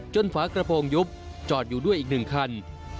ฝากระโปรงยุบจอดอยู่ด้วยอีก๑คัน